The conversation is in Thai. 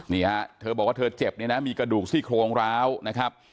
นี่ฮะเธอบอกว่าเธอเจ็บเนี่ยนะมีกระดูกซี่โครงร้าวนะครับ